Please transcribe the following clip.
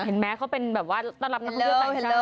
เห็นมั้ยเขาเป็นต้อนรับท่าน้องพวกต่างชาติ